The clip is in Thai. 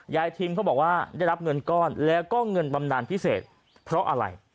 ทิมเขาบอกว่าได้รับเงินก้อนแล้วก็เงินบำนานพิเศษเพราะอะไร